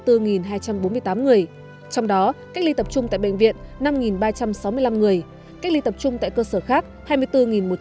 trong đó cách ly tập trung tại bệnh viện năm ba trăm sáu mươi năm người cách ly tập trung tại cơ sở khác hai mươi bốn một trăm tám mươi